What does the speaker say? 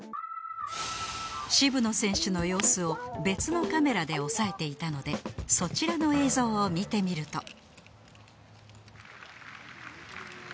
渋野選手の様子を別のカメラで押さえていたのでそちらの映像を見てみると。